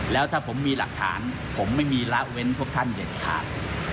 แล้วถ้าผมมีหลักฐานผมไม่มีละเว้นพวกท่านเด็ดขาด